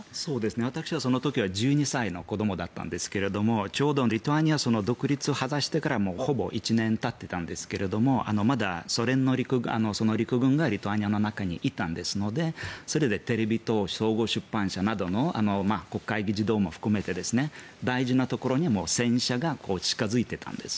私はその時は１２歳の子どもだったんですがちょうどリトアニア独立を果たしてからほぼ１年たっていたんですがまだソ連の陸軍がリトアニアの中にいたのでそれでテレビ塔、総合出版社など国会議事堂も含めて大事なところには戦車が近付いていたんです。